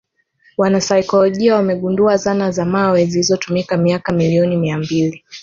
Wanaakiolojia wamegundua zana za mawe zilizotumika miaka milioni mbili